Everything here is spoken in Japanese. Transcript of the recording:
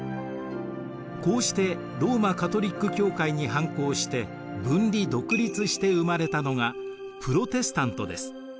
こうしてローマカトリック教会に反抗して分離独立して生まれたのがプロテスタントです。